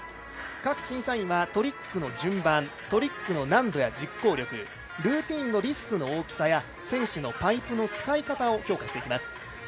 各審査員はトリックの順番トリックの難度や実行力ルーチンのリスクの大きさや選手のパイプの使い方を評価していきます。